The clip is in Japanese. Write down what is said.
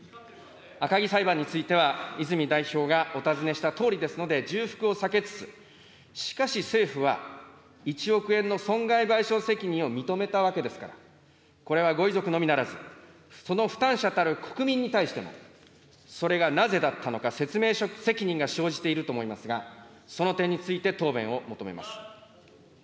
赤木裁判については、泉代表がお尋ねしたとおりですので、重複を避けつつ、しかし政府は、１億円の損害賠償責任を認めたわけですから、これはご遺族のみならず、その負担者たる国民に対しても、それがなぜだったのか、説明責任が生じていると思いますが、その点について答弁を求めます。